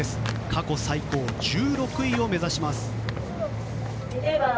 過去最高１６位を目指します。